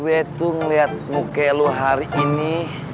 gue tuh ngeliat muka lo hari ini